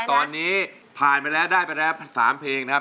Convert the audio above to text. ตอนนี้ผ่านไปแล้วได้ไปแล้ว๓เพลงนะครับ